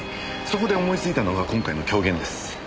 そこで思いついたのが今回の狂言です。